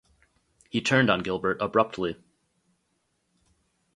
He turned on Gilbert abruptly.